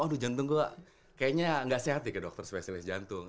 aduh jantung gue kayaknya nggak sehat ya ke dokter spesialis jantung